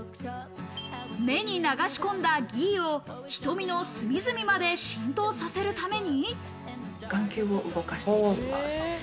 目に流し込んだギーを瞳の隅々まで浸透させるために。